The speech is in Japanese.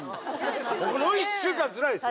この１週間つらいですよ。